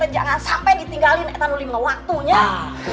jangan sampai ditinggalin etanolimnya waktunya